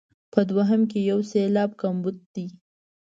په دوهم کې یو سېلاب کمبود دی.